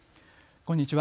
こんにちは。